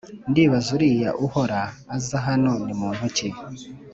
ndibaza uriya uhora uza hano ni muntu ki